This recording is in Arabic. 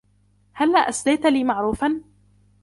هلاّ أسديتَ لي معروفا؟